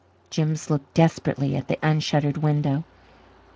Jims looked desperately at the unshuttered window.